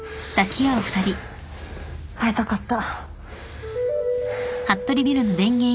会いたかった。